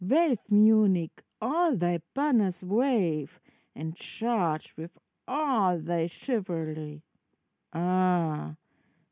Wave, Munich, all thy banners wave! And charge with all thy chivalry! Ah!